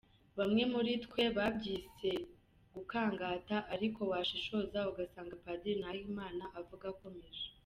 Bamwe muri twe babyise gukangata ariko washishoza ugasanga Padiri Nahimana avuga akomeje.